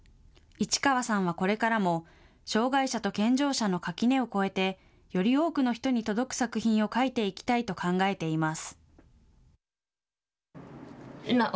市川さんはこれからも障害者と健常者の垣根を越えてより多くの人に届く作品を書いていきたいと考えています。